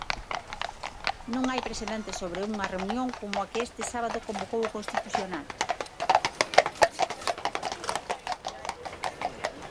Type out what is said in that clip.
Non hai precedente sobre unha reunión como a que este sábado convocou o Constitucional.